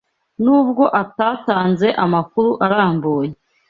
nubwo atatanze amakuru arambuye